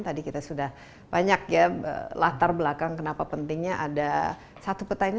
tadi kita sudah banyak ya latar belakang kenapa pentingnya ada satu peta ini